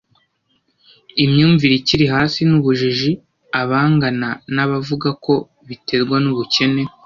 imyumvire ikiri hasi n ubujiji abangana na bavuga ko biterwa n ubukene